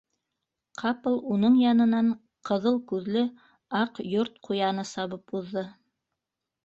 Ҡапыл уның янынан ҡыҙыл күҙле Аҡ Йорт ҡуяны сабып уҙҙы.